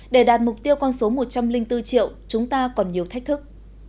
để đạt mục tiêu con số một trăm linh bốn triệu chúng ta còn nhiều thách thức